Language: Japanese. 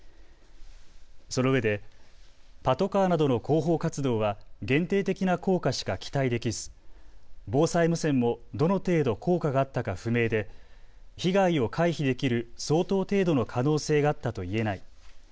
そのうえでパトカーなどの広報活動は限定的な効果しか期待できず防災無線もどの程度効果があったか不明で被害を回避できる相当程度の可能性があったといえない。